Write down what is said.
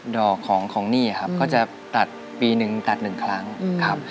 ดอกของหนี้ครับก็จะตัดปีหนึ่งตัดหนึ่งครั้งครับ